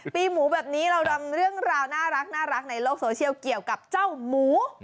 ปีหมูแบบนี้เราดำเรื่องราวน่ารักในโลกโซเชียลเกี่ยวกับเจ้าหมู